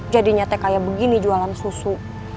jadinya kayak begini jualan susu